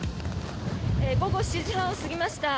午後７時半を過ぎました。